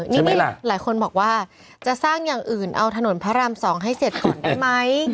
นี่หลายคนบอกว่าจะสร้างอย่างอื่นเอาถนนพระราม๒ให้เสร็จก่อนได้ไหม